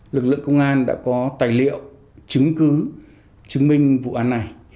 lực lượng công an đã có tài liệu chứng cứ chứng minh vụ án này